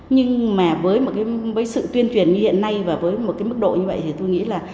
nhưng mà với sự tuyên truyền như hiện nay và với một cái mức độ như vậy thì tôi nghĩ là